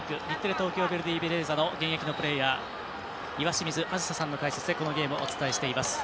東京ヴェルディベレーザの現役プレーヤーの岩清水梓さんの解説でこのゲームお伝えしています。